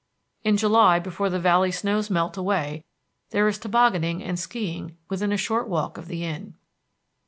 In July, before the valley snows melt away, there is tobogganing and skiing within a short walk of the Inn.